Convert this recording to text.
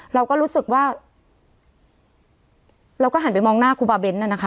เราก็รู้สึกว่าเราก็หันไปมองหน้าครูบาเน้นน่ะนะคะ